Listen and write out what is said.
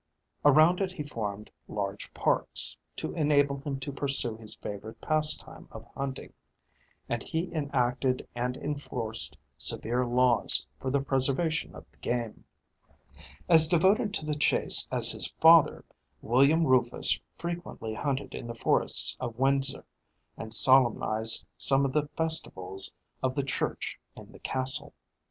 Around it he formed large parks, to enable him to pursue his favourite pastime of hunting; and he enacted and enforced severe laws for the preservation of the game. As devoted to the chase as his father, William Rufus frequently hunted in the forests of Windsor, and solemnised some of the festivals of the Church in the castle.